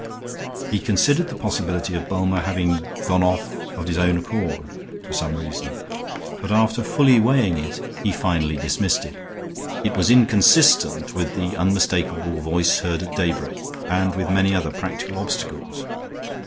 He considered the possibility of Bulmer having gone off of his own accord, for some reason; but after fully weighing it he finally dismissed it. It was inconsistent with the unmistakable voice heard at daybreak, and with many other practical obstacles.